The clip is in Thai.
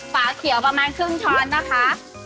ฝาเขียวประมาณครึ่งช้อนนะคะ